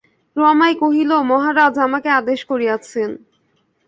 রমাই কহিল, মহারাজ আমাকে আদেশ করিয়াছেন।